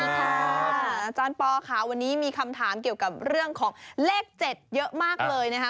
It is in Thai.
อาจารย์ปอค่ะวันนี้มีคำถามเกี่ยวกับเรื่องของเลข๗เยอะมากเลยนะคะ